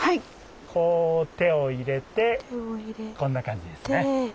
こう手を入れてこんな感じですね。